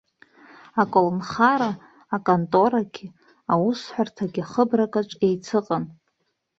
Аколнхара аконторагьы, аусҳәарҭагьы хыбракаҿ еицыҟан.